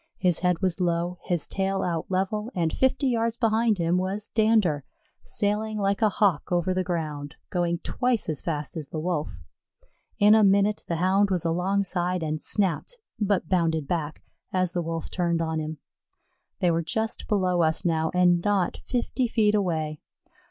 His head was low, his tail out level, and fifty yards behind him was Dander, sailing like a Hawk over the ground, going twice as fast as the Wolf. In a minute the Hound was alongside and snapped, but bounded back, as the Wolf turned on him. They were just below us now and not fifty feet away.